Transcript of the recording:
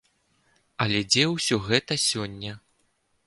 Але дзе ўсё гэта сёння?